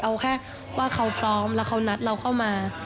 เอาแค่ว่าเขาพร้อมแล้วเขานัดเราเข้ามา